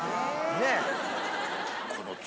ねえ。